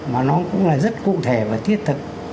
mà nó cũng là rất cụ thể và thiết thực